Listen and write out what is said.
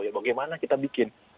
ya bagaimana kita bikin